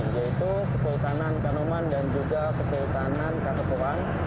yaitu kesultanan kanoman dan juga kesultanan katepuan